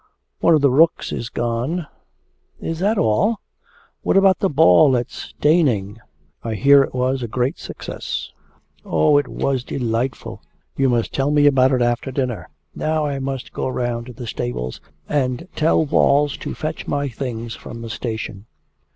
'One of the rooks is gone.' 'Is that all? ... What about the ball at Steyning? I hear it was a great success.' 'Oh, it was delightful.' 'You must tell me about it after dinner. Now I must go round to the stables and tell Walls to fetch my things from the station.'